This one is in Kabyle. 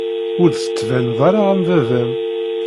Ur d-tettbaned ara am baba-m.